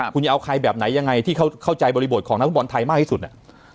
คุณจะเอาใครแบบไหนยังไงที่เข้าใจบริบทของนักฟุตบอลไทยมากที่สุด